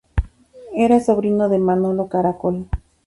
Era sobrino de Manolo Caracol.